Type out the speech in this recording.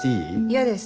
嫌です